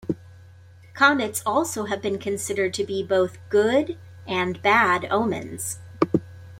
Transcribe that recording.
Comets also have been considered to be both good and bad omens.